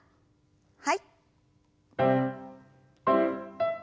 はい。